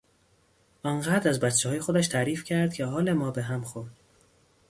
آنقدر از بچههای خودش تعریف کرد که حال ما به هم خورد.